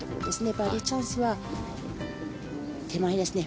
バーディーチャンスは手前ですね。